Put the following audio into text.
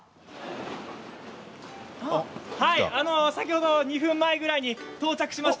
先ほどに昼前ぐらいに到着しました。